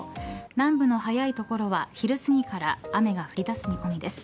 南部の早い所は昼すぎから雨が降り出す見込みです。